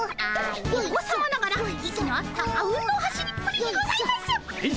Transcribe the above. お子さまながら息の合ったあうんの走りっぷりにございます！